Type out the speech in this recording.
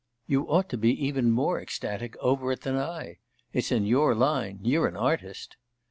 'You ought to be even more ecstatic over it than I. It's in your line: you're an artist.